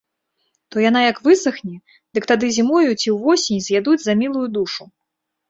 То яна як высахне, дык тады зімою ці ўвосень з'ядуць за мілую душу.